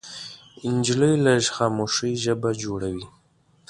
نجلۍ له خاموشۍ ژبه جوړوي.